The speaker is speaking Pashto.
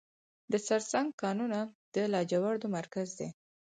د سرسنګ کانونه د لاجوردو مرکز دی